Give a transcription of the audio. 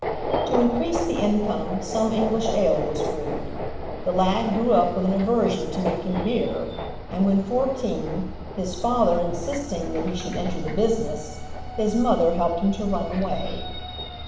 To increase the income some English ale was brewed. The lad grew up with an aversion to making beer, and when fourteen, his father insisting that he should enter the business, his mother helped him to run away.